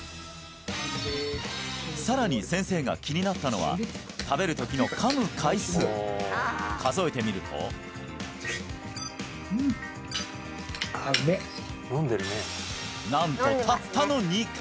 さらに先生が気になったのは食べるときの噛む回数数えてみるとなんとたったの２回！